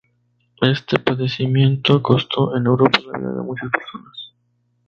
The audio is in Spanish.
Este padecimiento costó en Europa la vida de muchas personas.